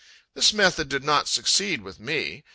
This method did not succeed with me.